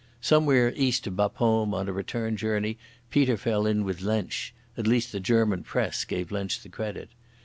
Somewhere east of Bapaume on a return journey Peter fell in with Lensch—at least the German Press gave Lensch the credit.